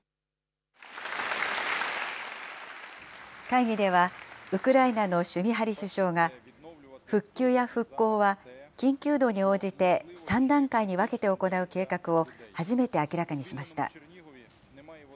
会議では、ウクライナのシュミハリ首相が、復旧や復興は緊急度に応じて、３段階に分けて行う計画を初めて明らかにしました。